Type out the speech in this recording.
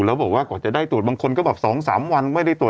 แล้วบอกว่ากว่าจะได้ตรวจบางคนก็บอก๒๓วันไม่ได้ตรวจ